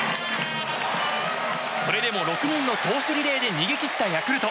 それでも６人の投手リレーで逃げ切ったヤクルト。